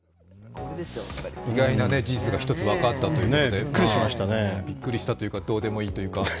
意外な事実が１つ分かったということでびっくりしたというか、どうでもいいというか。